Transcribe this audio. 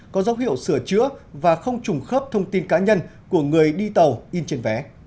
có dấu hiệu sửa chữa và không trùng khớp thông tin cá nhân của người đi tàu in trên vé